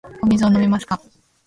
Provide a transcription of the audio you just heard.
お水を飲みますか。